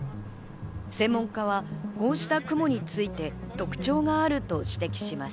専門家はこうした雲について特徴があると指摘します。